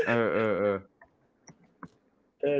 เออเออเออ